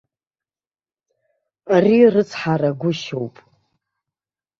Ари рыцҳарагәышьоуп!